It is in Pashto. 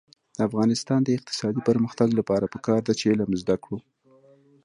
د افغانستان د اقتصادي پرمختګ لپاره پکار ده چې علم زده کړو.